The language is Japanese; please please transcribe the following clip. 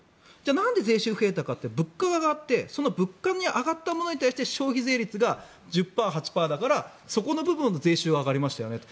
なんで税収が増えたかというと物価が上がってその物価が上がったものに対して消費税率が１０％、８％だからそこの部分の税収は上がりましたよねと。